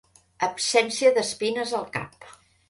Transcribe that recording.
Absència d'espines al cap.